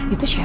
itu siapa gak